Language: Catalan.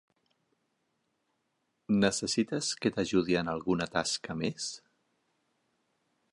Necessites que t'ajudi en alguna tasca més?